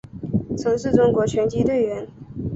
曾是中国拳击队员。